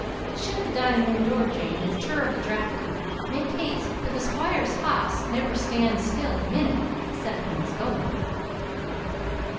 Shet the dinin' room door, Jane; it's turrible drafty. Make haste, for the Squire's hoss never stan's still a minute cept when he's goin'!"